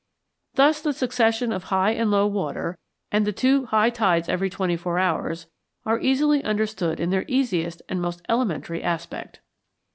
Thus the succession of high and low water, and the two high tides every twenty four hours, are easily understood in their easiest and most elementary aspect.